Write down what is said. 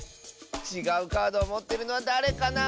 ちがうカードをもってるのはだれかな？